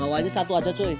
mau aja satu aja cuy